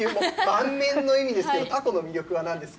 満面の笑みですけどたこの魅力はなんですか。